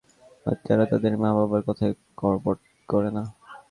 বাচ্চারা তাদের মা-বাবার কথায় কর্ণপাত করে না।